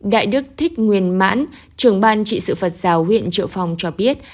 đại đức thích nguyên mãn trưởng ban trị sự phật giáo huyện triệu phong cho biết